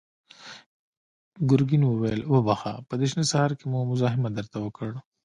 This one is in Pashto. ګرګين وويل: وبخښه، په دې شنه سهار کې مو مزاحمت درته وکړ.